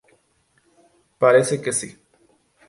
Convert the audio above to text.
Parece ser que sí.